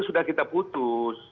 sudah kita putus